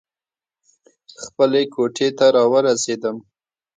خپلې کوټې ته راورسېدم.